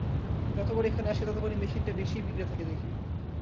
যতবার এখানে আসি, ততবারই মেশিনটা বেশিই বিগড়ে থাকে দেখি।